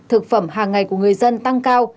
thực phẩm hàng ngày của người dân tăng cao